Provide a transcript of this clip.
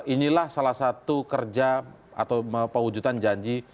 inilah salah satu kerja atau mewujudan janji